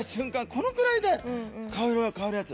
このくらいで顔色が変わるヤツ